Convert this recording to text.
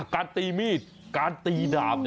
การตีมีดการตีดาบ